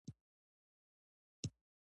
پر امیر یې ډېر زیات تاثیر درلود.